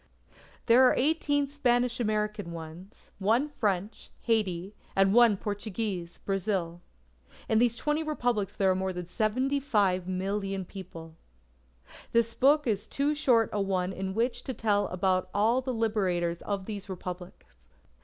There are eighteen Spanish American ones; one French, Haiti; and one Portuguese, Brazil. In these twenty Republics there are more than 75,000,000 people. This book is too short a one in which to tell about all the Liberators of these Republics.